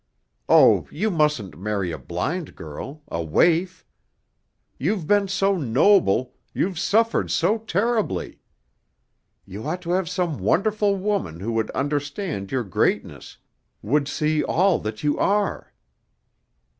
Oh, you mustn't marry a blind girl, a waif. You've been so noble, you've suffered so terribly. You ought to have some wonderful woman who would understand your greatness, would see all that you are."